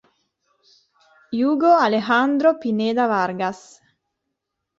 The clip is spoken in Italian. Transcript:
Hugo Alejandro Pineda Vargas